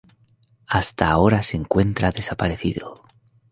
Hasta ahora se encuentra desaparecido.